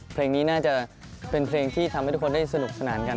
เพลงนี้น่าจะเป็นเพลงที่ทำให้ทุกคนได้สนุกสนานกัน